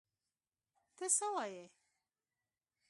ته څه وایې!؟